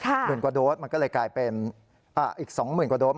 อีก๒หมื่นกว่าโดสมันก็เลยกลายเป็น๒๙๖๐๐โดส